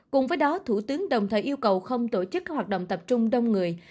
cùng với đó thủ tướng đồng thời yêu cầu không tổ chức hoạt động tập trung đông người